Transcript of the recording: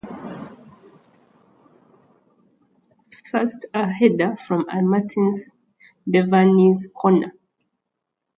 First a header from a Martin Devaney corner.